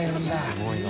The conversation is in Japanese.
すごいな。